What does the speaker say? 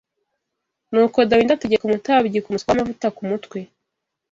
Nuko Dawidi ategeka umutambyi kumusukaho amavuta ku mutwe